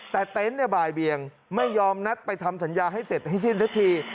แต่เต็นต์บ่ายเบียงไม่ยอมนัดไปทำสัญญาให้เสร็จให้สิ้นสักที